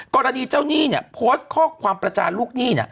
กรณีเจ้าหนี้โพสต์ข้อความประจานลูกหนี้